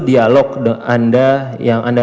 dialog anda yang anda